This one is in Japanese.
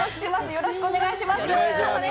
よろしくおお願いします。